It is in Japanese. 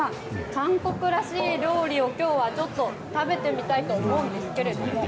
韓国らしい料理を食べてみたいと思うんですけれども。